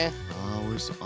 あおいしそう。